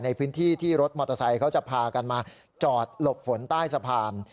ในพื้นที่ที่รถมอเตอร์ไซค์เขาจะพากันมาจอดหลบฝนใต้สะพาน